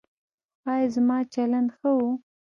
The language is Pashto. ایا زما چلند ښه و؟